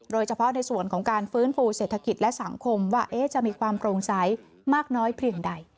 โดยเฉพาะในส่วนของการฟื้นฟูเศรษฐกิจและสังคมว่าจะมีความโปร่งใสมากน้อยเพียงใด